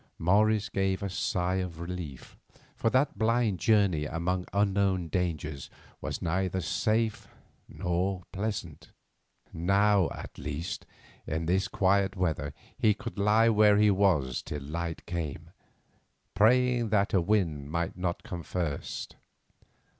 Morris gave a sigh of relief, for that blind journey among unknown dangers was neither safe nor pleasant. Now, at least, in this quiet weather he could lie where he was till light came, praying that a wind might not come first.